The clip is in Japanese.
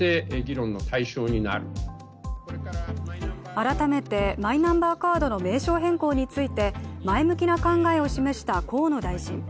改めてマイナンバーカードの名称変更について前向きな考えを示した河野大臣。